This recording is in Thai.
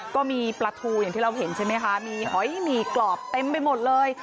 ก็มีปลาทูอย่างที่เราเห็นใช่ไหมคะมีหอยหมี่กรอบเต็มไปหมดเลย